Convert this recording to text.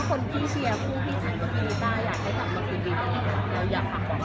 ไม่เค็ชครับเรารักกันสิทธิดีกล่าล